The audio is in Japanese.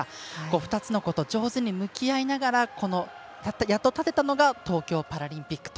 ２つのことと上手に向き合いながらやっと立てたのが東京パラリンピックと。